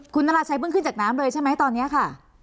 คุณนราชัยเพิ่งขึ้นจากน้ำเลยใช่ไหมตอนนี้ค่ะ